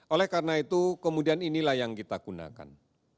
oleh karena itu kemudian inilah yang kita gunakan